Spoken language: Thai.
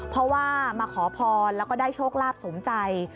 เพราะว่ามาขอพรแล้วก็ได้โชคลาภสมใจ